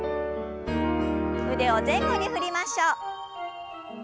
腕を前後に振りましょう。